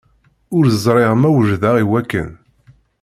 Ur ẓriɣ ma wejdeɣ i wakken.